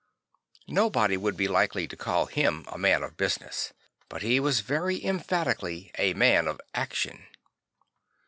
Nobody would be likely to call him a man of business; but he was very emphatically a man of action.